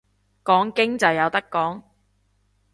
講經就有得講